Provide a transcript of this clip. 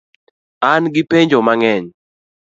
An gi penjo mang'eny